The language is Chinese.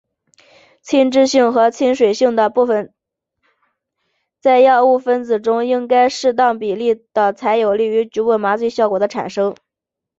亲脂性和亲水性的部分在药物分子中应该是适当比例的才有利于局部麻醉效果的产生。